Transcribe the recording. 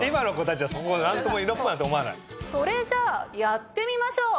それじゃあやってみましょう。